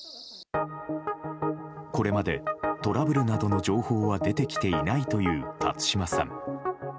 これまでトラブルなどの情報は出てきてないという辰島さん。